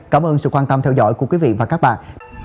cảm ơn sự quan tâm theo dõi của quý vị và các bạn